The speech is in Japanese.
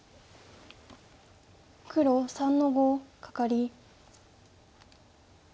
黒３の五カカリ。